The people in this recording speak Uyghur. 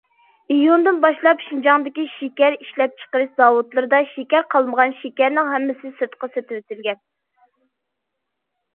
ئىيۇندىن باشلاپ، شىنجاڭدىكى شېكەر ئىشلەپچىقىرىش زاۋۇتلىرىدا شېكەر قالمىغان، شېكەرنىڭ ھەممىسى سىرتقا سېتىۋېتىلگەن.